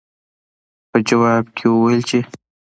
پۀ جواب کښې يې وويل چې